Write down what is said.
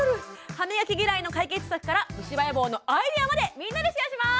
歯みがき嫌いの解決策から虫歯予防のアイデアまでみんなでシェアします！